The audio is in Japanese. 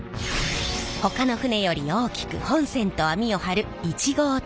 ほかの船より大きく本船と網を張る１号艇。